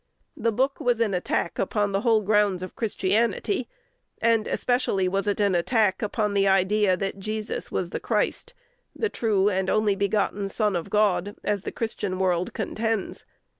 The book was an attack upon the whole grounds of Christianity, and especially was it an attack upon the idea that Jesus was the Christ, the true and only begotten Son of God, as the Christian world contends.